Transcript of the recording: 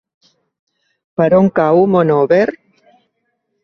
Per on cau Monòver?